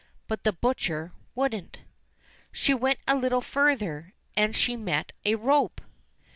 But the butcher wouldn't. She went a little further, and she met a rope.